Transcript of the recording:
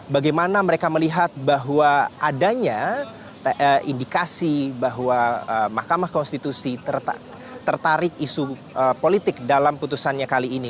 bagaimana mereka melihat bahwa adanya indikasi bahwa mahkamah konstitusi tertarik isu politik dalam putusannya kali ini